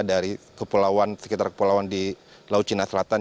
dari sekitar kepulauan di laut cina selatan